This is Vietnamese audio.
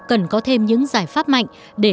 cần có thêm những giải pháp mạnh để